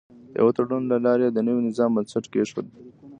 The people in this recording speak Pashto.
د یوه تړون له لارې یې د نوي نظام بنسټ کېښود.